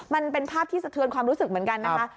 มันเป็นภาพที่สะเทือนความรู้สึกเหมือนกันนะคะ